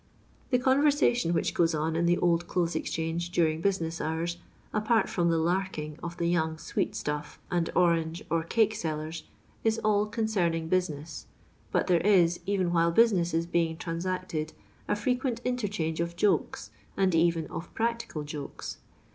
The conversation which goes on in the Old Clothes Exchange during business hours, apart from the " larking of the young sweet^toff and orange or cake scdlers, is all concerning bnsineas, but &ere is, even while business is being tiaas acted, a frequent interchange of jokes, and even of practical jokes.